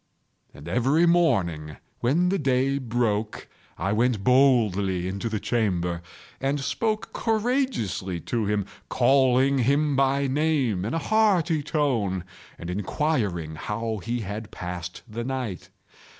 And every morning, when the day broke, I went boldly into the chamber, and spoke courageously to him, calling him by name in a hearty tone, and inquiring how he has passed the night.